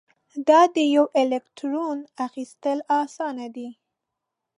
یا د یوه الکترون اخیستل آسان دي؟